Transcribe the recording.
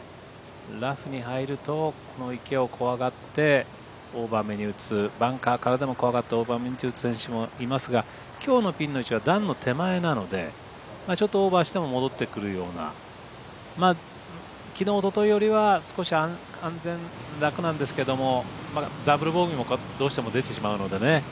ラフに入るとこの池を怖がってオーバーめに打つバンカーからでも怖がってオーバーめに打つ選手もいますがきょうのピンの位置は段の手前なのでちょっとオーバーしても戻ってくるようなきのう、おとといよりは少し楽なんですけどダブルボギーもどうしても出てしまうのでね